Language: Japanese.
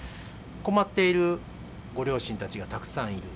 困っているご両親たちがたくさんいる。